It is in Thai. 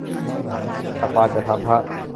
ตักบาตรอย่าถามพระ